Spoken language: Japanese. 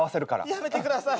やめてください。